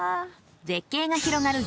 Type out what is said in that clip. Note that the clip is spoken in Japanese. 絶景が広がる